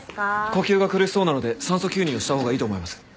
呼吸が苦しそうなので酸素吸入をしたほうがいいと思います。